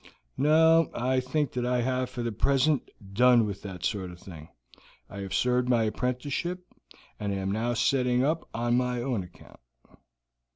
"No, I think that I have for the present done with that sort of thing; I have served my apprenticeship, and am now setting up on my own account."